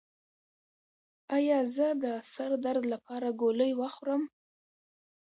ایا زه د سر درد لپاره ګولۍ وخورم؟